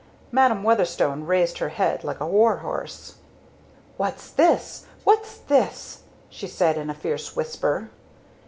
Madam Weatherstone raised her head like a warhorse. "What's this! What's this!" she said in a fierce whisper.